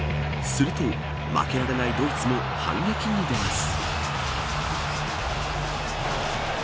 すると、負けられないドイツも反撃に出ます。